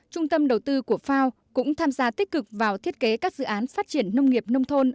trung tâm đầu tư của fao cũng tham gia tích cực vào thiết kế các dự án phát triển nông nghiệp nông thôn